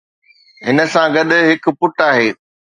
هن سان گڏ هڪ پٽ آهي.